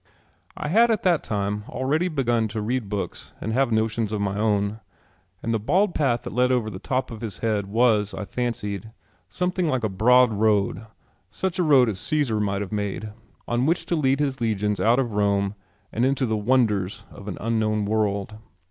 I had at that time already begun to read books and have notions of my own and the bald path that led over the top of his head was, I fancied, something like a broad road, such a road as Caesar might have made on which to lead his legions out of Rome and into the wonders of an unknown world.